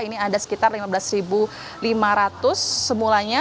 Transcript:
ini ada sekitar lima belas lima ratus semulanya